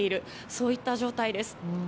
そういった状態です。